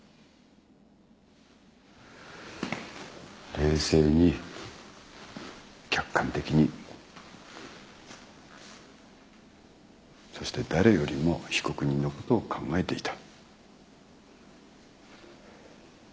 冷静に客観的にそして誰よりも被告人のことを考えていた。